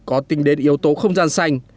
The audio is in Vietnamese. có tính đến yếu tố không gian xanh